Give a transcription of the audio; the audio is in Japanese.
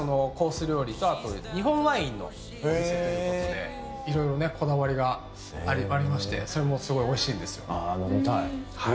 料理と日本ワインのお店ということでいろいろこだわりがありましてそれもすごいおいしいんですよ。